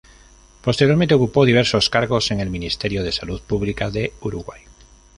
Posteriormente ocupó diversos cargos en el Ministerio de Salud Pública de Uruguay.